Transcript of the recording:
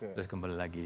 terus kembali lagi